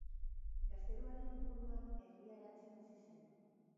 Gazteluaren inguruan herria eratzen hasi zen.